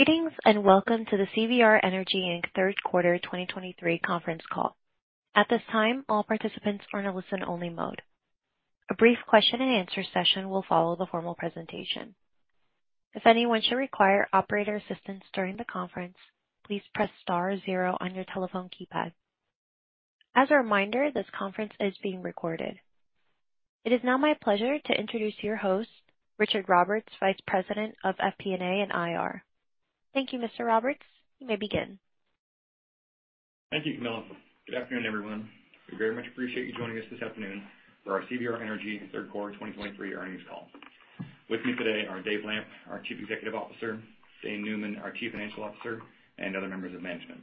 Greetings, and welcome to the CVR Energy, Inc. third quarter 2023 conference call. At this time, all participants are in a listen-only mode. A brief question and answer session will follow the formal presentation. If anyone should require operator assistance during the conference, please press star zero on your telephone keypad. As a reminder, this conference is being recorded. It is now my pleasure to introduce your host, Richard Roberts, Vice President of FP&A and IR. Thank you, Mr. Roberts. You may begin. Thank you, Camilla. Good afternoon, everyone. We very much appreciate you joining us this afternoon for our CVR Energy third quarter 2023 earnings call. With me today are Dave Lamp, our Chief Executive Officer, Dane Neumann, our Chief Financial Officer, and other members of management.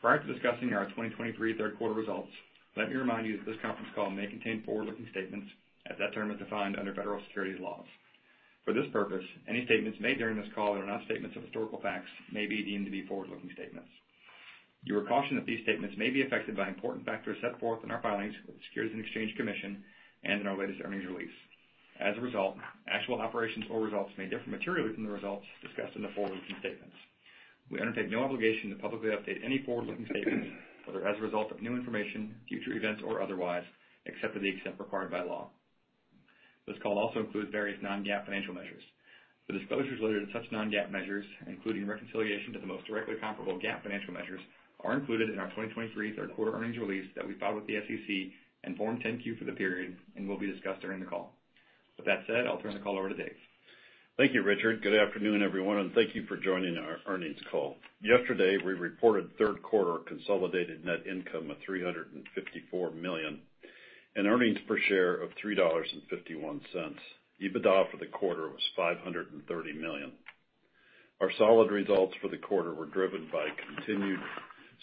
Prior to discussing our 2023 third quarter results, let me remind you that this conference call may contain forward-looking statements as that term is defined under federal securities laws. For this purpose, any statements made during this call that are not statements of historical facts may be deemed to be forward-looking statements. You are cautioned that these statements may be affected by important factors set forth in our filings with the Securities and Exchange Commission and in our latest earnings release. As a result, actual operations or results may differ materially from the results discussed in the forward-looking statements. We undertake no obligation to publicly update any forward-looking statements, whether as a result of new information, future events, or otherwise, except to the extent required by law. This call also includes various non-GAAP financial measures. The disclosures related to such non-GAAP measures, including reconciliation to the most directly comparable GAAP financial measures, are included in our 2023 third quarter earnings release that we filed with the SEC and Form 10-Q for the period and will be discussed during the call. With that said, I'll turn the call over to Dave. Thank you, Richard. Good afternoon, everyone, and thank you for joining our earnings call. Yesterday, we reported third quarter consolidated net income of $354 million and earnings per share of $3.51. EBITDA for the quarter was $530 million. Our solid results for the quarter were driven by continued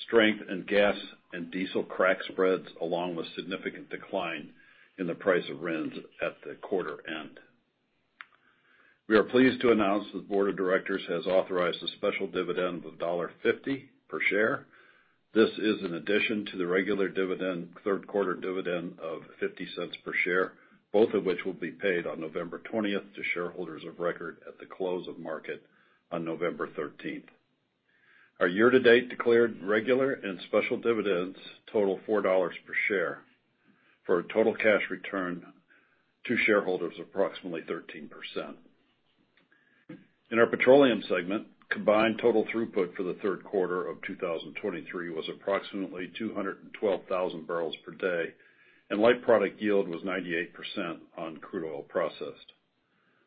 strength in gas and diesel crack spreads, along with significant decline in the price of RINs at the quarter end. We are pleased to announce that the board of directors has authorized a special dividend of $1.50 per share. This is in addition to the regular dividend, third quarter dividend of $0.50 per share, both of which will be paid on November twentieth to shareholders of record at the close of market on November thirteenth. Our year-to-date declared regular and special dividends total $4 per share, for a total cash return to shareholders of approximately 13%. In our petroleum segment, combined total throughput for the third quarter of 2023 was approximately 212,000 barrels per day, and light product yield was 98% on crude oil processed.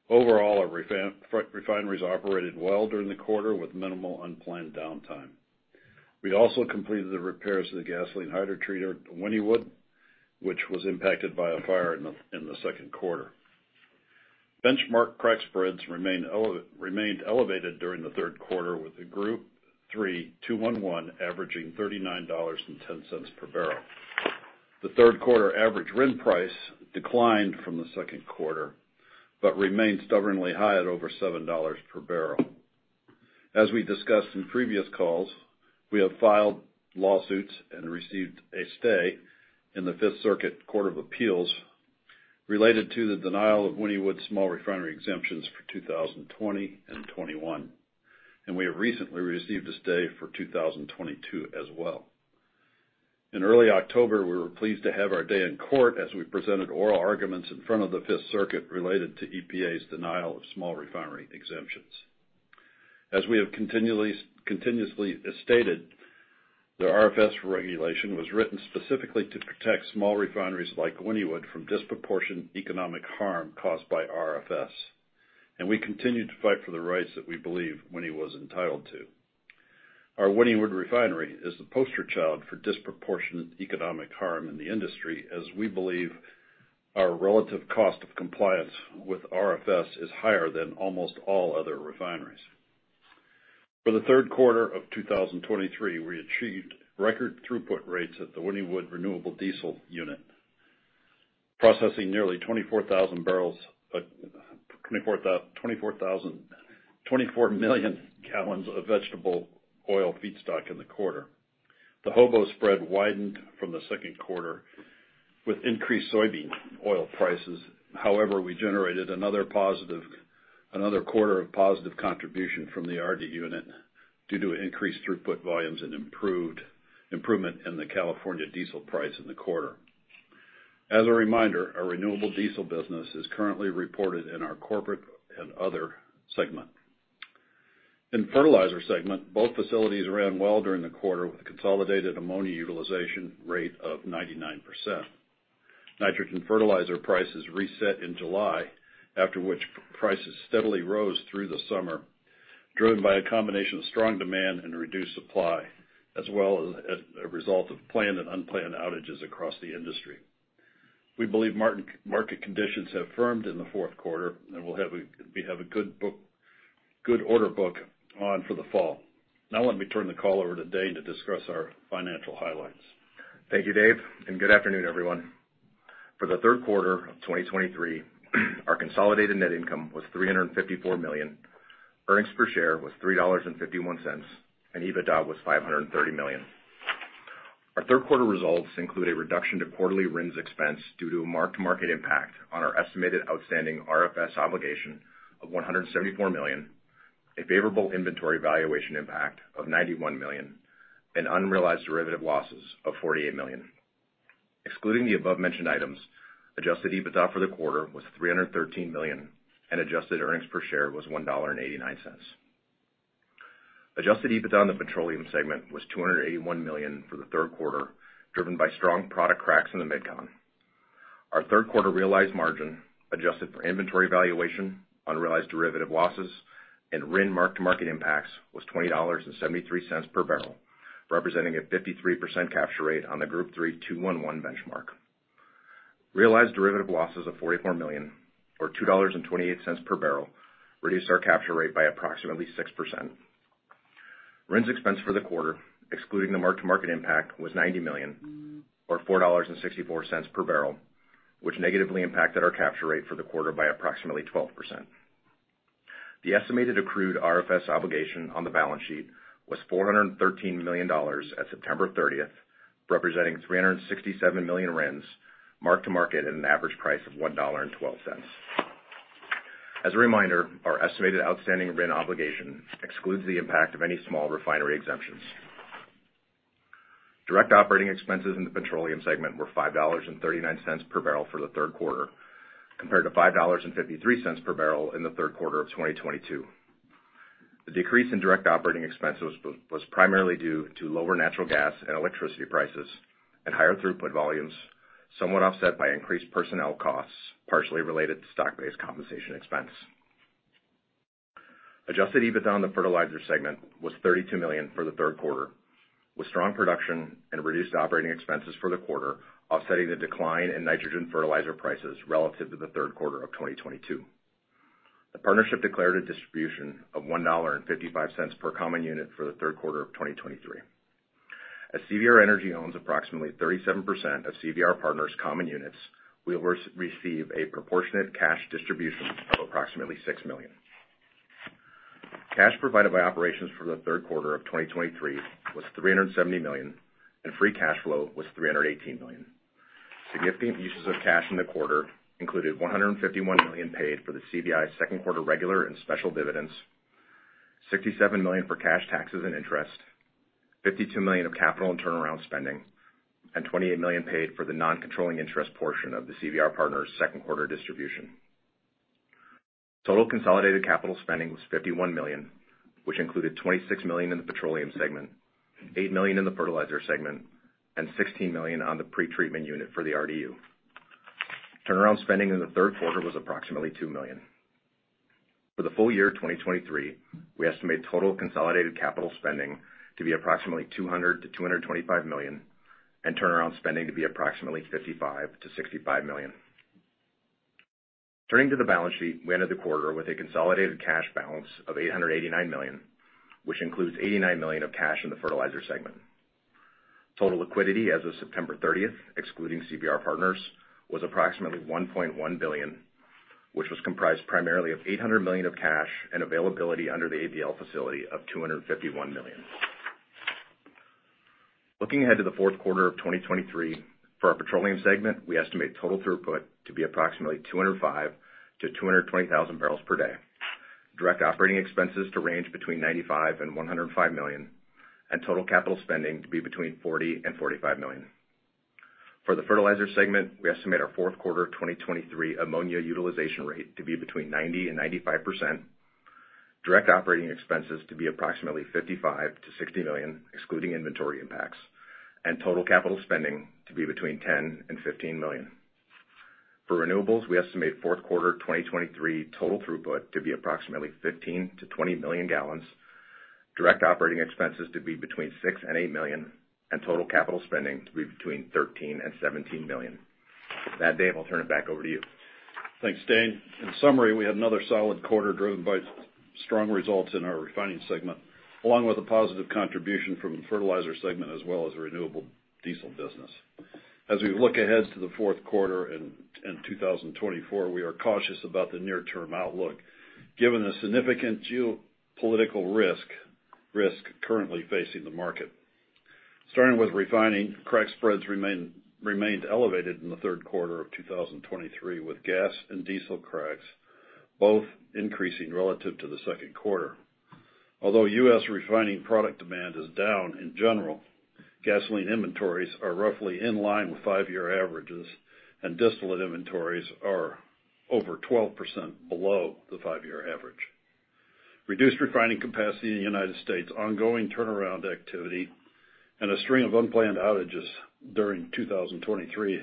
Overall, our refineries operated well during the quarter with minimal unplanned downtime. We also completed the repairs to the gasoline hydrotreater at Wynnewood, which was impacted by a fire in the second quarter. Benchmark crack spreads remained elevated during the third quarter, with the Group Three 2-1-1 averaging $39.10 per barrel. The third quarter average RIN price declined from the second quarter but remained stubbornly high at over $7 per barrel. As we discussed in previous calls, we have filed lawsuits and received a stay in the Fifth Circuit Court of Appeals related to the denial of Wynnewood's small refinery exemptions for 2020 and 2021, and we have recently received a stay for 2022 as well. In early October, we were pleased to have our day in court as we presented oral arguments in front of the Fifth Circuit related to EPA's denial of small refinery exemptions. As we have continually, continuously stated, the RFS regulation was written specifically to protect small refineries like Wynnewood from disproportionate economic harm caused by RFS, and we continue to fight for the rights that we believe Wynnewood is entitled to. Our Wynnewood Refinery is the poster child for disproportionate economic harm in the industry, as we believe our relative cost of compliance with RFS is higher than almost all other refineries. For the third quarter of 2023, we achieved record throughput rates at the Wynnewood Renewable Diesel unit, processing nearly 24 million gallons of vegetable oil feedstock in the quarter. The HOBO spread widened from the second quarter with increased soybean oil prices. However, we generated another quarter of positive contribution from the RD unit due to increased throughput volumes and improvement in the California diesel price in the quarter. As a reminder, our renewable diesel business is currently reported in our corporate and other segment. In fertilizer segment, both facilities ran well during the quarter with a consolidated ammonia utilization rate of 99%. Nitrogen fertilizer prices reset in July, after which prices steadily rose through the summer, driven by a combination of strong demand and reduced supply, as well as a result of planned and unplanned outages across the industry. We believe market conditions have firmed in the fourth quarter, and we'll have a good book, good order book on for the fall. Now, let me turn the call over to Dane to discuss our financial highlights. Thank you, Dave, and good afternoon, everyone. For the third quarter of 2023, our consolidated net income was $354 million, earnings per share was $3.51, and EBITDA was $530 million.... Our third quarter results include a reduction to quarterly RINs expense due to a mark-to-market impact on our estimated outstanding RFS obligation of $174 million, a favorable inventory valuation impact of $91 million, and unrealized derivative losses of $48 million. Excluding the above-mentioned items, adjusted EBITDA for the quarter was $313 million, and adjusted earnings per share was $1.89. Adjusted EBITDA in the petroleum segment was $281 million for the third quarter, driven by strong product cracks in the Mid-Con. Our third quarter realized margin, adjusted for inventory valuation, unrealized derivative losses, and RIN mark-to-market impacts, was $20.73 per barrel, representing a 53% capture rate on the Group Three 2-1-1 benchmark. Realized derivative losses of $44 million, or $2.28 per barrel, reduced our capture rate by approximately 6%. RINs expense for the quarter, excluding the mark-to-market impact, was $90 million or $4.64 per barrel, which negatively impacted our capture rate for the quarter by approximately 12%. The estimated accrued RFS obligation on the balance sheet was $413 million at September thirtieth, representing 367 million RINs, mark-to-market at an average price of $1.12. As a reminder, our estimated outstanding RIN obligation excludes the impact of any small refinery exemptions. Direct operating expenses in the petroleum segment were $5.39 per barrel for the third quarter, compared to $5.53 per barrel in the third quarter of 2022. The decrease in direct operating expenses was primarily due to lower natural gas and electricity prices and higher throughput volumes, somewhat offset by increased personnel costs, partially related to stock-based compensation expense. Adjusted EBITDA on the fertilizer segment was $32 million for the third quarter, with strong production and reduced operating expenses for the quarter, offsetting the decline in nitrogen fertilizer prices relative to the third quarter of 2022. The partnership declared a distribution of $1.55 per common unit for the third quarter of 2023. As CVR Energy owns approximately 37% of CVR Partners' common units, we will receive a proportionate cash distribution of approximately $6 million. Cash provided by operations for the third quarter of 2023 was $370 million, and free cash flow was $318 million. Significant uses of cash in the quarter included $151 million paid for the CVI second quarter regular and special dividends, $67 million for cash, taxes, and interest, $52 million of capital and turnaround spending, and $28 million paid for the non-controlling interest portion of the CVR Partners' second quarter distribution. Total consolidated capital spending was $51 million, which included $26 million in the petroleum segment, $8 million in the fertilizer segment, and $16 million on the pretreatment unit for the RDU. Turnaround spending in the third quarter was approximately $2 million. For the full-year of 2023, we estimate total consolidated capital spending to be approximately $200-225 million, and turnaround spending to be approximately $55-65 million. Turning to the balance sheet, we ended the quarter with a consolidated cash balance of $889 million, which includes $89 million of cash in the fertilizer segment. Total liquidity as of September thirtieth, excluding CVR Partners, was approximately $1.1 billion, which was comprised primarily of $800 million of cash and availability under the ABL facility of $251 million. Looking ahead to the fourth quarter of 2023, for our petroleum segment, we estimate total throughput to be approximately 205,000-220,000 barrels per day. Direct operating expenses to range between $95 million-$105 million, and total capital spending to be between $40-45 million. For the fertilizer segment, we estimate our fourth quarter 2023 ammonia utilization rate to be between 90%-95%. Direct operating expenses to be approximately $55-60 million, excluding inventory impacts, and total capital spending to be between $10 million and $15 million. For renewables, we estimate fourth quarter 2023 total throughput to be approximately 15-20 million gallons, direct operating expenses to be between $6 million and $8 million, and total capital spending to be between $13 million and $17 million. With that, Dave, I'll turn it back over to you. Thanks, Dane. In summary, we had another solid quarter driven by strong results in our refining segment, along with a positive contribution from the fertilizer segment, as well as the renewable diesel business. As we look ahead to the fourth quarter in 2024, we are cautious about the near-term outlook, given the significant geopolitical risk currently facing the market. Starting with refining, crack spreads remained elevated in the third quarter of 2023, with gas and diesel cracks both increasing relative to the second quarter. Although U.S. refining product demand is down in general, gasoline inventories are roughly in line with five-year averages, and distillate inventories are over 12% below the five-year average. Reduced refining capacity in the United States, ongoing turnaround activity, and a string of unplanned outages during 2023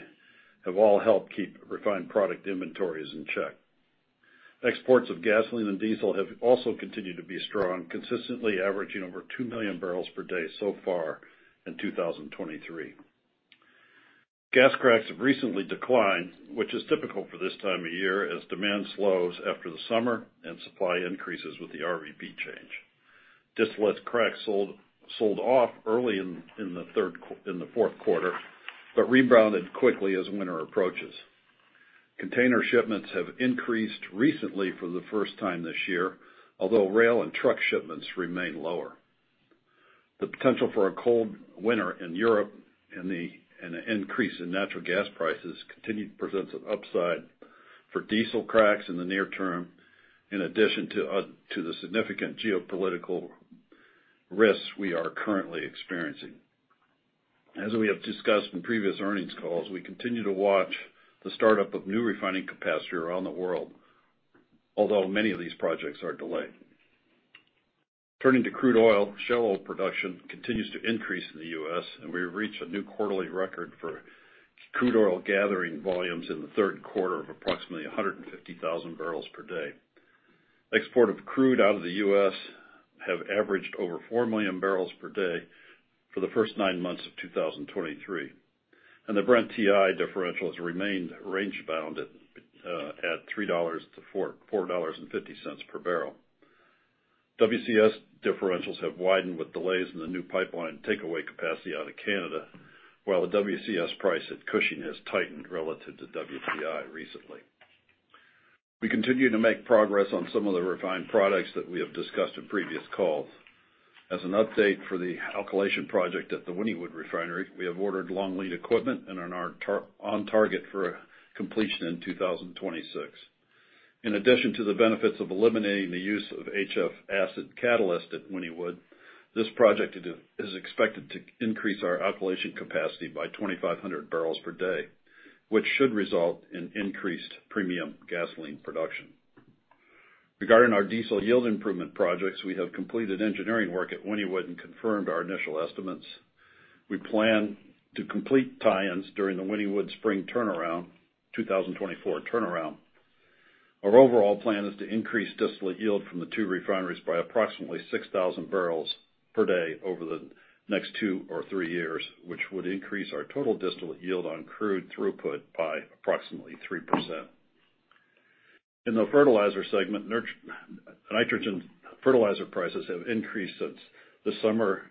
have all helped keep refined product inventories in check. Exports of gasoline and diesel have also continued to be strong, consistently averaging over 2 million barrels per day so far in 2023. Gas cracks have recently declined, which is typical for this time of year as demand slows after the summer and supply increases with the RVP change. Distillate cracks sold off early in the fourth quarter, but rebounded quickly as winter approaches. Container shipments have increased recently for the first time this year, although rail and truck shipments remain lower. The potential for a cold winter in Europe and an increase in natural gas prices continues to present an upside for diesel cracks in the near term, in addition to the significant geopolitical risks we are currently experiencing. As we have discussed in previous earnings calls, we continue to watch the startup of new refining capacity around the world, although many of these projects are delayed. Turning to crude oil, shale oil production continues to increase in the U.S., and we reached a new quarterly record for crude oil gathering volumes in the third quarter of approximately 150,000 barrels per day. Export of crude out of the U.S. have averaged over 4 million barrels per day for the first nine months of 2023, and the Brent-TI differential has remained range-bound at $3-4.50 per barrel. WCS differentials have widened with delays in the new pipeline takeaway capacity out of Canada, while the WCS price at Cushing has tightened relative to WTI recently. We continue to make progress on some of the refined products that we have discussed in previous calls. As an update for the alkylation project at the Wynnewood Refinery, we have ordered long-lead equipment and are on target for completion in 2026. In addition to the benefits of eliminating the use of HF acid catalyst at Wynnewood, this project is expected to increase our alkylation capacity by 2,500 barrels per day, which should result in increased premium gasoline production. Regarding our diesel yield improvement projects, we have completed engineering work at Wynnewood and confirmed our initial estimates. We plan to complete tie-ins during the Wynnewood spring turnaround, 2024 turnaround. Our overall plan is to increase distillate yield from the two refineries by approximately 6,000 barrels per day over the next two or three years, which would increase our total distillate yield on crude throughput by approximately 3%. In the fertilizer segment, nitrogen fertilizer prices have increased since the summer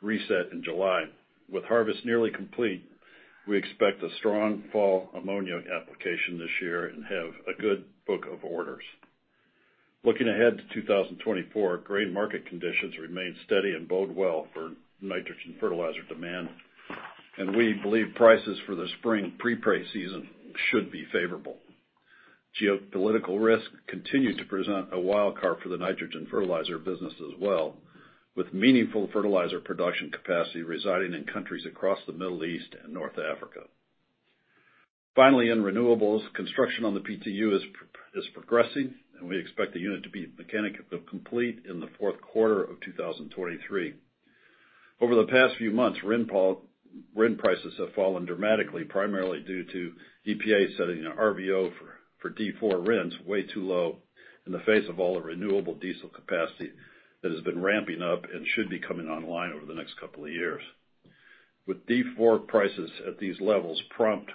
reset in July. With harvest nearly complete, we expect a strong fall ammonia application this year and have a good book of orders. Looking ahead to 2024, grain market conditions remain steady and bode well for nitrogen fertilizer demand, and we believe prices for the spring pre-pay season should be favorable. Geopolitical risks continue to present a wild card for the nitrogen fertilizer business as well, with meaningful fertilizer production capacity residing in countries across the Middle East and North Africa. Finally, in renewables, construction on the PTU is progressing, and we expect the unit to be mechanically complete in the fourth quarter of 2023. Over the past few months, RIN prices have fallen dramatically, primarily due to EPA setting an RVO for D4 RINs way too low in the face of all the renewable diesel capacity that has been ramping up and should be coming online over the next couple of years. With D4 prices at these levels, prompt,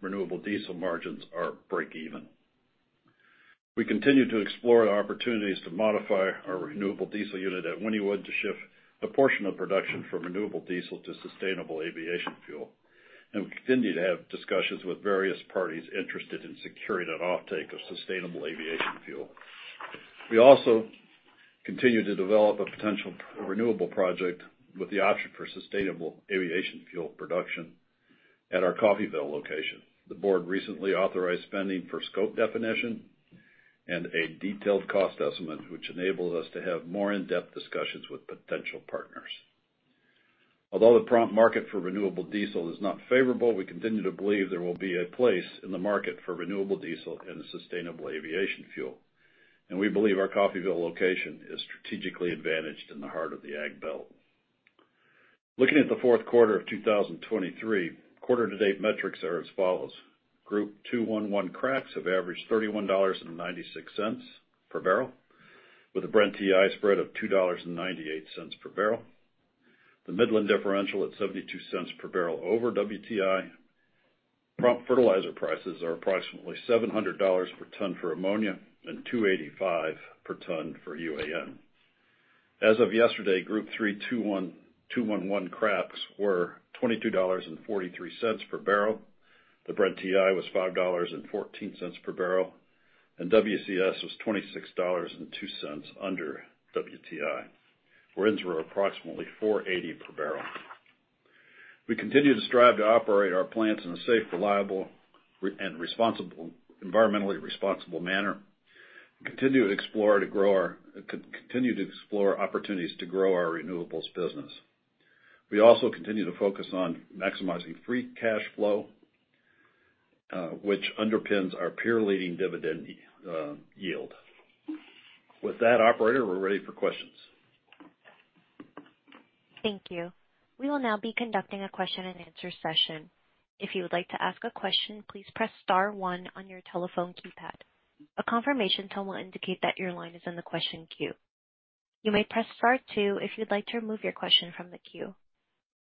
renewable diesel margins are break even. We continue to explore opportunities to modify our renewable diesel unit at Wynnewood to shift a portion of production from renewable diesel to sustainable aviation fuel, and we continue to have discussions with various parties interested in securing an offtake of sustainable aviation fuel. We also continue to develop a potential renewable project with the option for sustainable aviation fuel production at our Coffeyville location. The board recently authorized spending for scope definition and a detailed cost estimate, which enables us to have more in-depth discussions with potential partners. Although the prompt market for renewable diesel is not favorable, we continue to believe there will be a place in the market for renewable diesel and sustainable aviation fuel, and we believe our Coffeyville location is strategically advantaged in the heart of the Ag Belt. Looking at the fourth quarter of 2023, quarter-to-date metrics are as follows: Group 2-1-1 cracks have averaged $31.96 per barrel, with a Brent TI spread of $2.98 per barrel. The Midland differential at $0.72 per barrel over WTI. Prompt fertilizer prices are approximately $700 per ton for ammonia and $285 per ton for UAN. As of yesterday, Group three 2-1-1 cracks were $22.43 per barrel. The Brent TI was $5.14 per barrel, and WCS was $26.02 under WTI, where ends were approximately $480 per barrel. We continue to strive to operate our plants in a safe, reliable and environmentally responsible manner, and continue to explore opportunities to grow our renewables business. We also continue to focus on maximizing free cash flow, which underpins our peer-leading dividend yield. With that, operator, we're ready for questions. Thank you. We will now be conducting a question and answer session. If you would like to ask a question, please press star one on your telephone keypad. A confirmation tone will indicate that your line is in the question queue. You may press star two if you'd like to remove your question from the queue.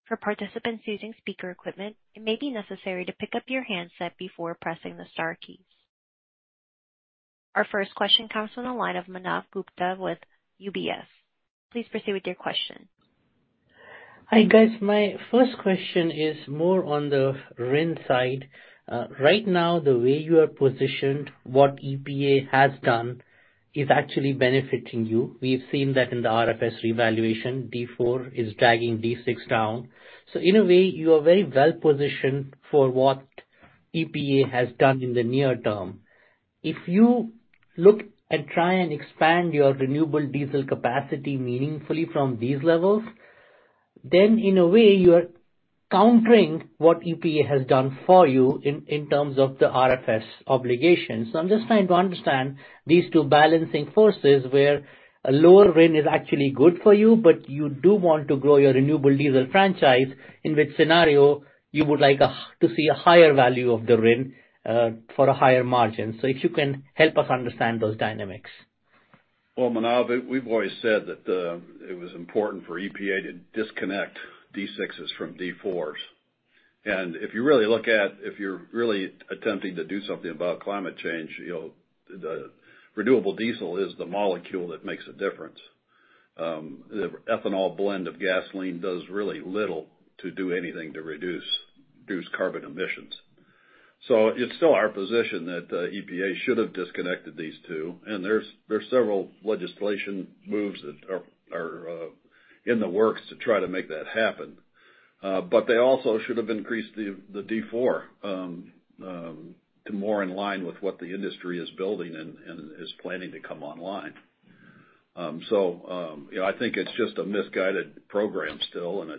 For participants using speaker equipment, it may be necessary to pick up your handset before pressing the star keys.... Our first question comes from the line of Manav Gupta with UBS. Please proceed with your question. Hi, guys. My first question is more on the RIN side. Right now, the way you are positioned, what EPA has done is actually benefiting you. We've seen that in the RFS reevaluation, D4 is dragging D6 down. So in a way, you are very well positioned for what EPA has done in the near term. If you look and try and expand your Renewable Diesel capacity meaningfully from these levels, then in a way, you are countering what EPA has done for you in terms of the RFS obligations. I'm just trying to understand these two balancing forces, where a lower RIN is actually good for you, but you do want to grow your Renewable Diesel franchise, in which scenario you would like to see a higher value of the RIN for a higher margin. So if you can help us understand those dynamics. Well, Manav, we've always said that it was important for EPA to disconnect D6s from D4s. And if you really look at if you're really attempting to do something about climate change, you know, the renewable diesel is the molecule that makes a difference. The ethanol blend of gasoline does really little to do anything to reduce carbon emissions. So it's still our position that EPA should have disconnected these two, and there's several legislation moves that are in the works to try to make that happen. But they also should have increased the D4 to more in line with what the industry is building and is planning to come online. So, you know, I think it's just a misguided program still, and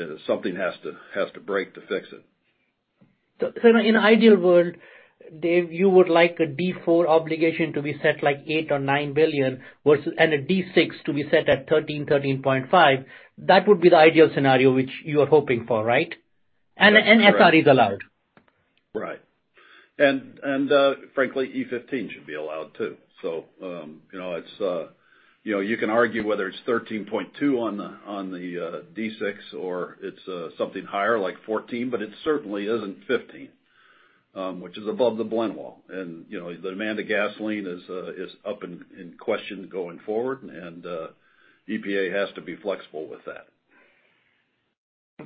it's something has to break to fix it. So, in an ideal world, Dave, you would like a D4 obligation to be set like 8 or 9 billion versus... and a D6 to be set at 13-13.5. That would be the ideal scenario which you are hoping for, right? Yes, correct. SRE is allowed. Right. And, frankly, E15 should be allowed too. So, you know, it's, you know, you can argue whether it's 13.2 on the, on the, D6 or it's, something higher like 14, but it certainly isn't 15, which is above the blend wall. And, you know, the demand of gasoline is, is up in, in question going forward, and, EPA has to be flexible with that.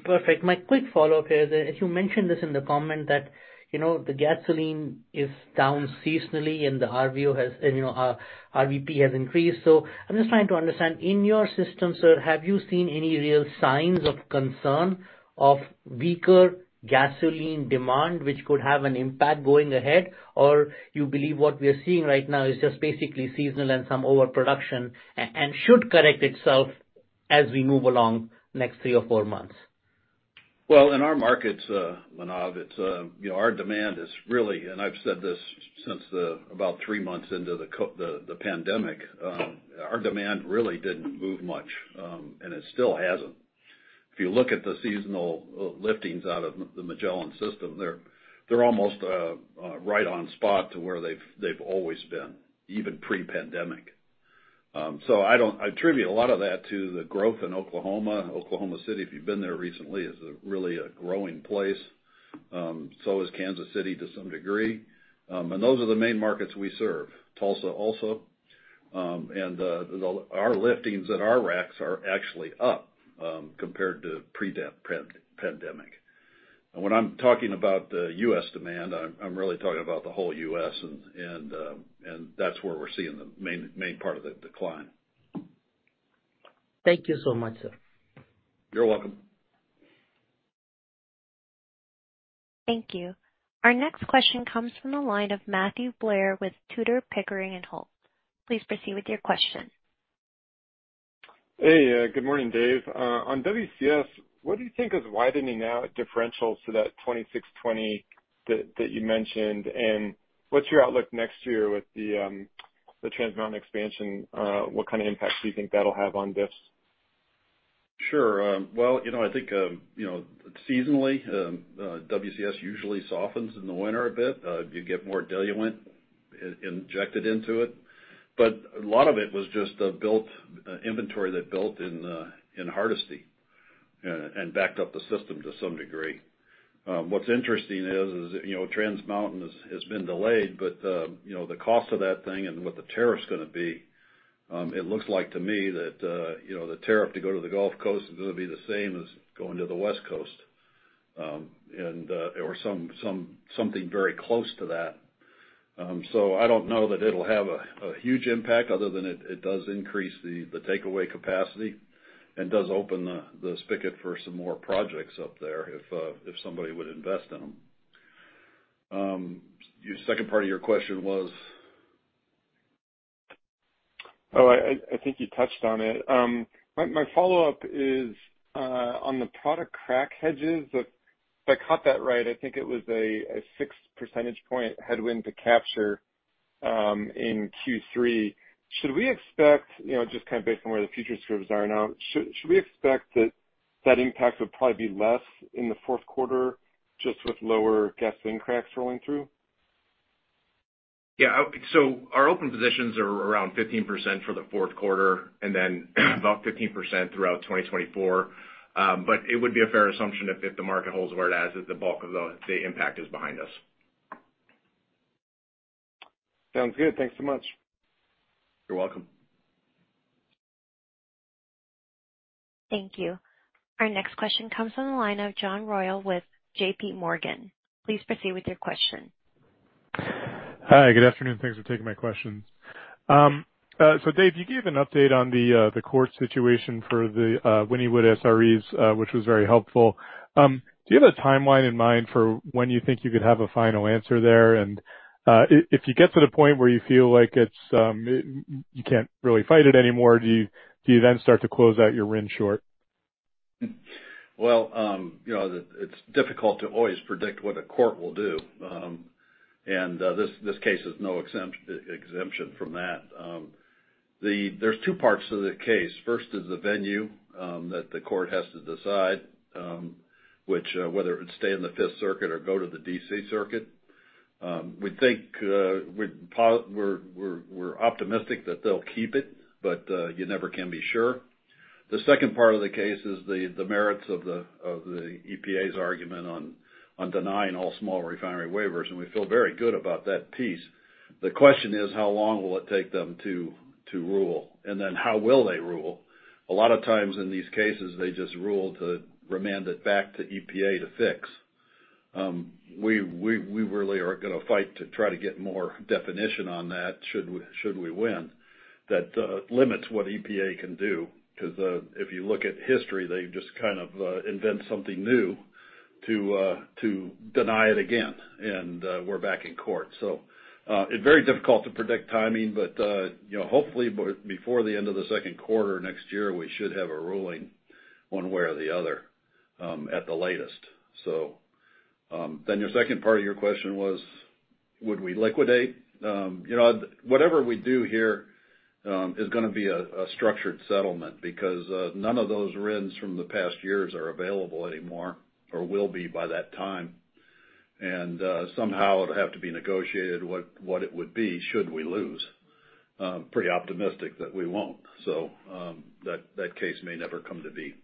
Perfect. My quick follow-up is, you mentioned this in the comment that, you know, the gasoline is down seasonally and the RVO has, and, you know, RVP has increased. So I'm just trying to understand, in your system, sir, have you seen any real signs of concern of weaker gasoline demand, which could have an impact going ahead? Or you believe what we are seeing right now is just basically seasonal and some overproduction, and should correct itself as we move along next three or four months? Well, in our markets, Manav, it's, you know, our demand is really, and I've said this since about three months into the pandemic, our demand really didn't move much, and it still hasn't. If you look at the seasonal liftings out of the Magellan system, they're almost right on spot to where they've always been, even pre-pandemic. So I attribute a lot of that to the growth in Oklahoma. Oklahoma City, if you've been there recently, is really a growing place. So is Kansas City to some degree. And those are the main markets we serve. Tulsa also. And our liftings at our racks are actually up, compared to pre-pandemic. When I'm talking about the U.S. demand, I'm really talking about the whole U.S., and that's where we're seeing the main part of the decline. Thank you so much, sir. You're welcome. Thank you. Our next question comes from the line of Matthew Blair with Tudor, Pickering, and Holt. Please proceed with your question. Hey, good morning, Dave. On WCS, what do you think is widening out differentials to that 26-20 that you mentioned? And what's your outlook next year with the Trans Mountain expansion, what kind of impact do you think that'll have on this? Sure. Well, you know, I think, you know, seasonally, WCS usually softens in the winter a bit. You get more diluent injected into it. But a lot of it was just a built inventory that built in in Hardisty and backed up the system to some degree. What's interesting is, you know, Trans Mountain has been delayed, but, you know, the cost of that thing and what the tariff's gonna be, it looks like to me that, you know, the tariff to go to the Gulf Coast is gonna be the same as going to the West Coast, and or something very close to that. So I don't know that it'll have a huge impact other than it does increase the takeaway capacity and does open the spigot for some more projects up there if somebody would invest in them. Your second part of your question was? Oh, I think you touched on it. My follow-up is on the product crack hedges. If I caught that right, I think it was a 6 percentage point headwind to capture in Q3. Should we expect, you know, just kind of based on where the futures curves are now, should we expect that impact would probably be less in the fourth quarter just with lower gasoline cracks rolling through? Yeah, I would so our open positions are around 15% for the fourth quarter and then about 15% throughout 2024. But it would be a fair assumption if the market holds where it is, that the bulk of the impact is behind us.... Sounds good. Thanks so much. You're welcome. Thank you. Our next question comes from the line of John Royall with JPMorgan. Please proceed with your question. Hi, good afternoon. Thanks for taking my questions. So Dave, you gave an update on the court situation for the Wynnewood SREs, which was very helpful. Do you have a timeline in mind for when you think you could have a final answer there? And if you get to the point where you feel like it's you can't really fight it anymore, do you then start to close out your RIN short? Well, you know, it's difficult to always predict what a court will do. This case is no exemption from that. There's two parts to the case. First is the venue that the court has to decide whether it stay in the Fifth Circuit or go to the D.C. Circuit. We think we're optimistic that they'll keep it, but you never can be sure. The second part of the case is the merits of the EPA's argument on denying all small refinery waivers, and we feel very good about that piece. The question is: How long will it take them to rule? And then how will they rule? A lot of times in these cases, they just rule to remand it back to EPA to fix. We really are gonna fight to try to get more definition on that, should we win. That limits what EPA can do, because if you look at history, they just kind of invent something new to deny it again, and we're back in court. So it's very difficult to predict timing, but you know, hopefully before the end of the second quarter next year, we should have a ruling one way or the other, at the latest, so. Then your second part of your question was: Would we liquidate? You know, whatever we do here is gonna be a structured settlement because none of those RINs from the past years are available anymore or will be by that time. And, somehow it'll have to be negotiated what, what it would be, should we lose. Pretty optimistic that we won't. So, that, that case may never come to be.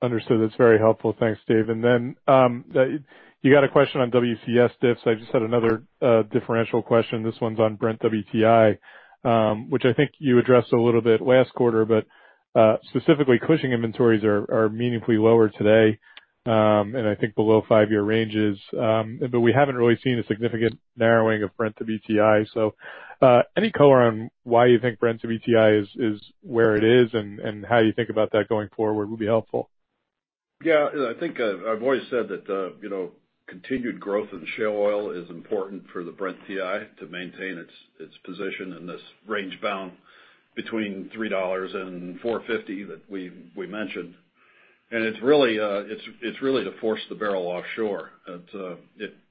Understood. That's very helpful. Thanks, Dave. And then, you got a question on WCS diffs. I just had another, differential question. This one's on Brent WTI, which I think you addressed a little bit last quarter, but, specifically, Cushing inventories are, are meaningfully lower today, and I think below five-year ranges. But we haven't really seen a significant narrowing of Brent to WTI. So, any color on why you think Brent to WTI is, is where it is, and, and how you think about that going forward would be helpful. Yeah, I think I've always said that, you know, continued growth in shale oil is important for the Brent TI to maintain its position in this range bound between $3-4.50 that we mentioned. And it's really to force the barrel offshore.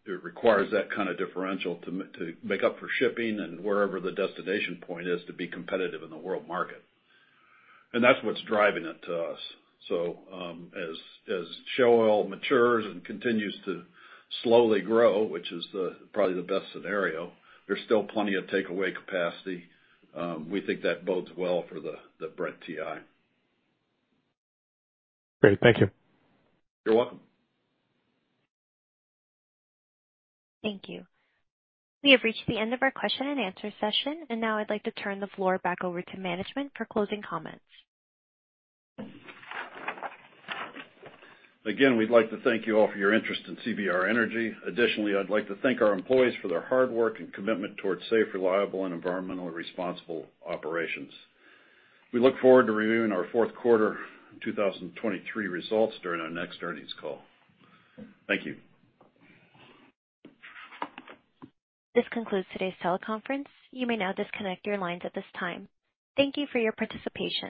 It requires that kind of differential to make up for shipping and wherever the destination point is, to be competitive in the world market. And that's what's driving it to us. So, as shale oil matures and continues to slowly grow, which is probably the best scenario, there's still plenty of takeaway capacity. We think that bodes well for the Brent TI. Great. Thank you. You're welcome. Thank you. We have reached the end of our question-and-answer session, and now I'd like to turn the floor back over to management for closing comments. Again, we'd like to thank you all for your interest in CVR Energy. Additionally, I'd like to thank our employees for their hard work and commitment towards safe, reliable, and environmentally responsible operations. We look forward to reviewing our fourth quarter 2023 results during our next earnings call. Thank you. This concludes today's teleconference. You may now disconnect your lines at this time. Thank you for your participation.